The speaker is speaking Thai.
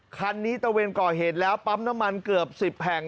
คันนี้ตะเวนก่อเหตุแล้วปั๊มน้ำมันเกือบ๑๐แห่ง